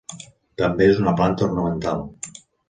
També és una planta ornamental.